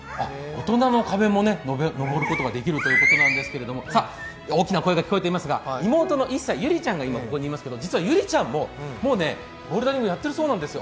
大人の壁も登ることができるということなんですけれども、大きな声が聞こえていますが、妹の優莉ちゃんがいますが実は優莉ちゃんももうボルダリングやっているそうなんです。